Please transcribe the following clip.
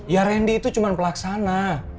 ya randy itu cuma pelaksana